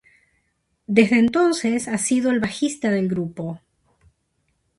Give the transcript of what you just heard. Desde entonces ha sido el bajista del grupo.